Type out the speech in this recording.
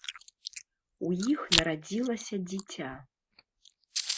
У іх нарадзілася дзіця.